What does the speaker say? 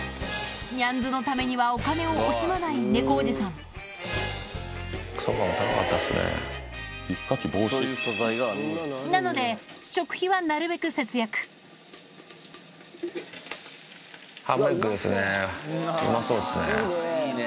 ニャンズのためにはお金を惜しまない猫おじさんなので食費はなるべく節約うまそうっすね。